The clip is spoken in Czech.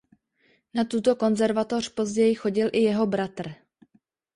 Na tuto konzervatoř později chodil i jeho bratr.